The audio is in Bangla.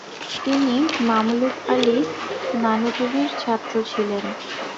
তিনি মামলুক আলী নানুতুবির ছাত্র ছিলেন।